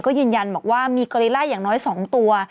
ก็ยืนยันบอกว่ามีเกอรีไล่อย่างน้อย๒ตัว